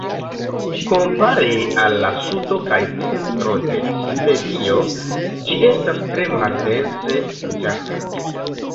Kompare al la sudo kaj centro de Svedio, ĝi estas tre maldense loĝata.